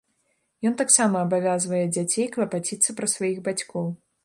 Ён таксама абавязвае дзяцей клапаціцца пра сваіх бацькоў.